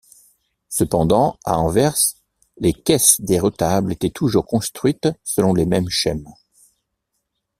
Cependant, à Anvers, les caisses des retables étaient toujours construites selon les mêmes schèmes.